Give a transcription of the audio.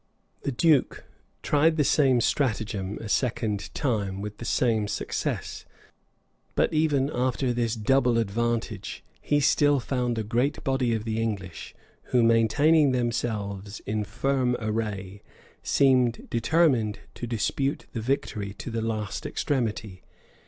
The duke tried the same stratagem a second time with the same success; but even after this double advantage, he still found a great body of the English, who, maintaining themselves in firm array, seemed determined to dispute the victory to the last extremity.